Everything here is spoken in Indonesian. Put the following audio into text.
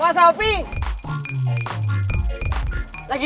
sosta gak pergi